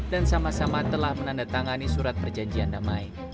sama sama telah menandatangani surat perjanjian damai